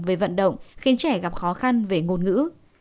về vận động khiến trẻ gặp khó khăn về ngôn ngữ